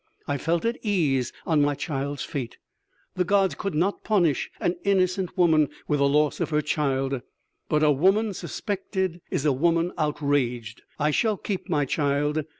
I felt at ease on my child's fate. The gods could not punish an innocent woman with the loss of her child.... But ... a woman suspected is a woman outraged.... I shall keep my child.